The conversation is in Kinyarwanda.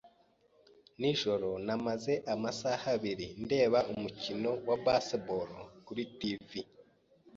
Nijoro namaze amasaha abiri ndeba umukino wa baseball kuri TV.